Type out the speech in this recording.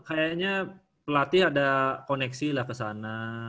kayaknya pelatih ada koneksi lah kesana